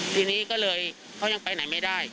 ทีนี้เขายังไปไหนไม่ได้